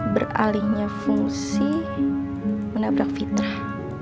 beralihnya fungsi menabrak fitrah